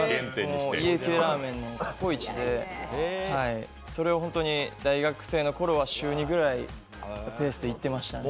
家系ラーメンの過去一で、それを本当に大学生のころは週２くらいのペースで行ってましたね。